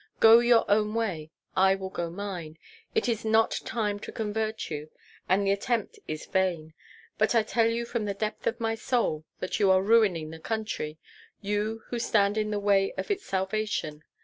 Go your own way, I will go mine. It is not time to convert you, and the attempt is vain; but I tell you from the depth of my soul that you are ruining the country, you who stand in the way of its salvation.